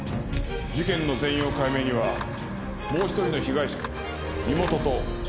事件の全容解明にはもう１人の被害者の身元と消息をつかむ必要がある。